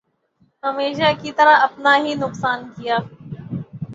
ہمیشہ کی طرح اپنا ہی نقصان کیا ۔